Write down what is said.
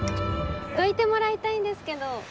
どいてもらいたいんですけど。